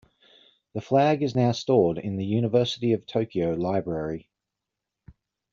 The flag is now stored in the University of Tokyo library.